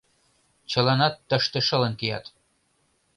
— Чыланат тыште шылын кият!